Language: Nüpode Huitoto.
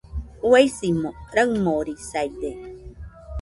Uaisimo raɨmorisaide